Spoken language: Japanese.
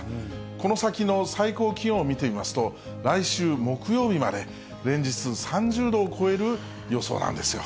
この先の最高気温を見てみますと、来週木曜日まで、連日３０度を超うわー。